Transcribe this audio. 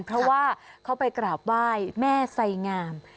เพราะว่าเขาไปกราบไหว้แม่ไสงาม